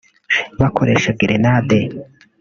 bakoresha gerenade